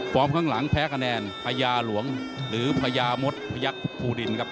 ข้างหลังแพ้คะแนนพญาหลวงหรือพญามศพยักษ์ภูดินครับ